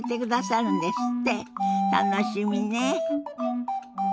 楽しみね。